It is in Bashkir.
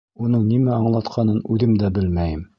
Уның нимә аңлатҡанын үҙем дә белмәйем.